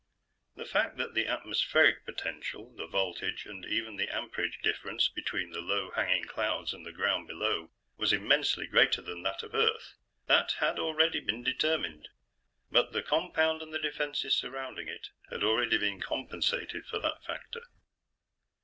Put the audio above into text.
The fact that the atmospheric potential the voltage and even the amperage difference between the low hanging clouds and the ground below was immensely greater than that of Earth, that had already been determined. But the compound and the defenses surrounding it had already been compensated for that factor.